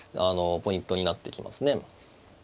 ポイントになってきますね。